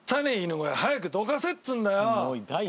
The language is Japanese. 犬小屋早くどかせっつうんだよ。